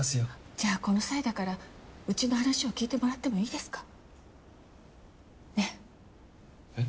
じゃあこの際だからうちの話を聞いてもらってもいいですか。ねぇ？え？